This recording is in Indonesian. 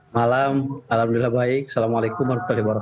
malam alhamdulillah baik assalamualaikum wr wb